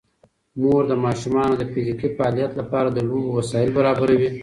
مور د ماشومانو د فزیکي فعالیت لپاره د لوبو وسایل برابروي.